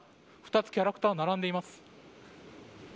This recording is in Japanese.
２つキャラクターが並んでいます。